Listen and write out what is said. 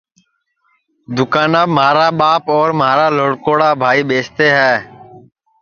دؔوکاناپ مھارا ٻاپ اور مھارا لھوڑکوڑا بھائی ٻیستے ہے